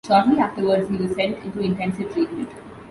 Shortly afterwards, he was sent into intensive treatment.